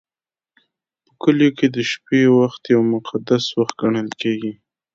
په کلیو کې د شپې وخت یو مقدس وخت ګڼل کېږي.